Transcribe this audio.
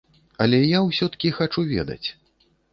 Але я ўсё-ткі хачу ведаць.